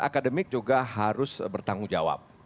akademik juga harus bertanggung jawab